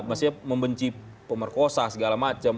maksudnya membenci pemerkosa segala macam